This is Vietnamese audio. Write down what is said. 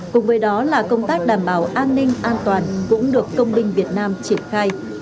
cùng với đó là công tác đảm bảo an ninh an toàn cũng được công binh việt nam triển khai